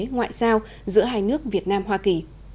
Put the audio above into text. ngoại giao giữa hai nước việt nam hoa kỳ